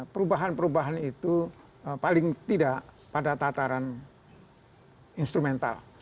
perubahan perubahan itu paling tidak pada tataran instrumental